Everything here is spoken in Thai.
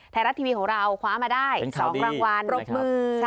ไทยรัฐทีวีของเราคว้ามาได้๒รางวัลเป็นข่าวดีปรบมือ